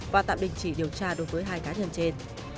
và tạm đình chỉ điều tra đối với hai cá nhân trên